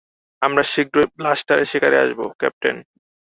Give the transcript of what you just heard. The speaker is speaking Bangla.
আমরা শীঘ্রই ব্লাস্টারের শিকারে আসবো, ক্যাপ্টেন।